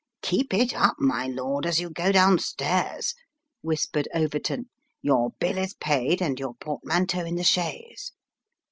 " Keep it up, my lord, as you go down stairs," whispered Overton, " your bill is paid, and your portmanteau in the chaise."